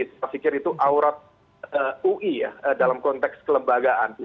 saya pikir itu aurat ui ya dalam konteks kelembagaan